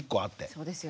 そうですよね。